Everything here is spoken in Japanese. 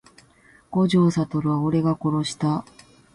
五条悟は俺が殺した…